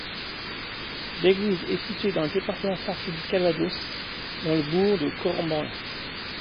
L'église est située dans le département français du Calvados, dans le bourg de Cormolain.